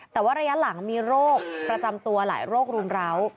แต่ว่าระยะหลังมีโรคประจำตัวหลายโรครุมร้าว